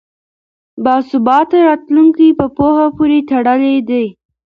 باثباته راتلونکی په پوهه پورې تړلی دی.